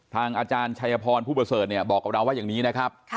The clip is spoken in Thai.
อาจารย์ชัยพรผู้ประเสริฐเนี่ยบอกกับเราว่าอย่างนี้นะครับ